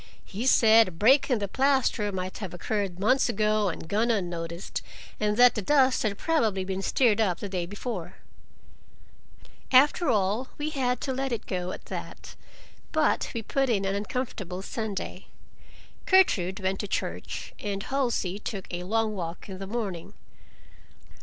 He said a break in the plaster might have occurred months ago and gone unnoticed, and that the dust had probably been stirred up the day before. After all, we had to let it go at that, but we put in an uncomfortable Sunday. Gertrude went to church, and Halsey took a long walk in the morning.